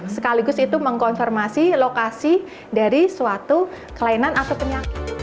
sekaligus itu mengkonfirmasi lokasi dari suatu kelainan atau penyakit